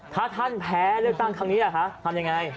ถ้าท่านแพ้เรื่องตั้งทางนี้ล่ะคะทำยังไง